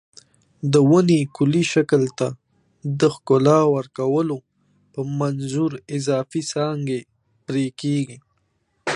د ونې کلي شکل ته د ښکلا ورکولو په منظور اضافي څانګې پرې کېږي.